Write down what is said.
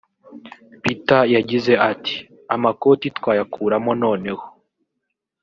Peter yagize ati “Amakoti twayakuramo noneho